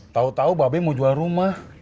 tau tau babi mau jual rumah